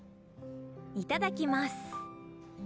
いただきます。